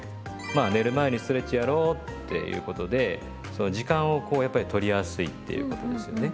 まあ寝る前にストレッチやろうっていうことでその時間をこうやっぱり取りやすいっていうことですよね。